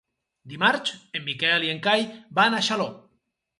Dimarts en Miquel i en Cai van a Xaló.